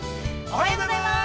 ◆おはようございます。